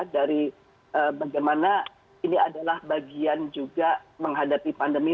dari bagaimana ini adalah bagian juga menghadapi pandemi